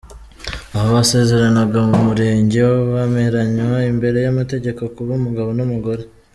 Aha basezeranaga mu murenge, bemeranywa imbere y’amategeko kuba umugabo n’umugore.